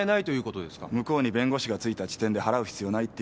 向こうに弁護士がついた時点で払う必要ないって言われるよ。